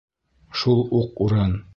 Шул уҡ урын.